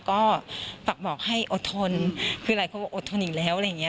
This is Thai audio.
ก็ฝากบอกให้อดทนคือหลายคนบอกอดทนอีกแล้วอะไรอย่างเงี้